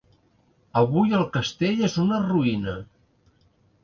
Avui el castell és una ruïna.